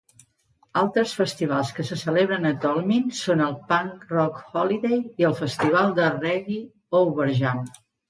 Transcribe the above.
Altres festivals que se celebren a Tolmin són el Punk Rock Holiday i el festival de reggae Overjam.